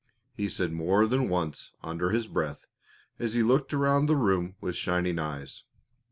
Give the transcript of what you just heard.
he said more than once under his breath as he looked around the room with shining eyes.